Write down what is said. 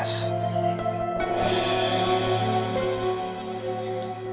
kenapa kau diam saja